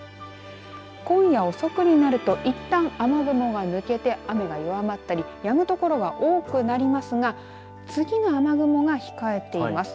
今夜、遅くになるといったん雨雲は抜けて雨が弱まったりやむ所が多くなりますが次の雨雲が控えています。